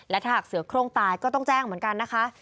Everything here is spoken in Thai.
และถ้าหากเสือโครงตายก็ต้องแจ้งเหมือนกันนะคะ